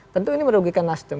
tentu ini merugikan nasdem